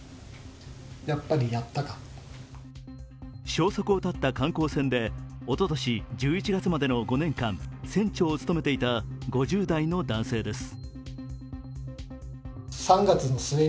消息を絶った観光船でおととし１１月までの５年間、船長を務めていた５０代の男性です。